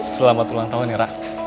selamat ulang tahun ira